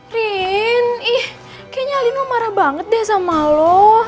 rin ih kayaknya lino marah banget deh sama lo